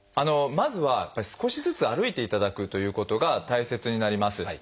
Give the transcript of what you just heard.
まずは少しずつ歩いていただくということが大切になります。